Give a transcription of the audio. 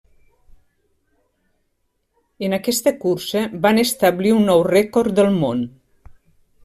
En aquesta cursa van establir un nou rècord del món.